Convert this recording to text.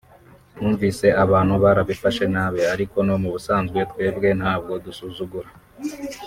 numvise abantu barabifashe nabi ariko no mu busanzwe twebwe ntabwo dusuzugura